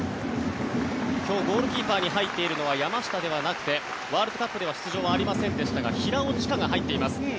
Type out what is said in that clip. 今日、ゴールキーパーに入っているのは山下ではなくてワールドカップでは出場はありませんでしたが平尾知佳が入っています。